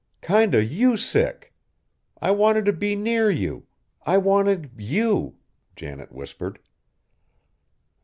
"Kind of you sick! I wanted to be near you. I wanted you," Janet whispered.